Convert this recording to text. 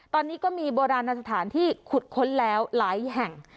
ตอนนี้ก็มีโบราณสถานที่ขุดค้นแล้วหลายแห่ง